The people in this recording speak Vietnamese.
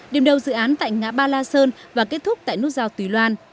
điểm đầu dự án tại ngã ba la sơn và kết thúc tại nút giao tùy loan